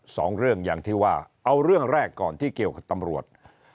สองเรื่องอย่างที่ว่าเอาเรื่องแรกก่อนที่เกี่ยวกับตำรวจ